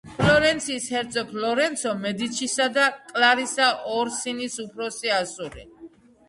ფლორენციის ჰერცოგ ლორენცო მედიჩისა და კლარისა ორსინის უფროსი ასული.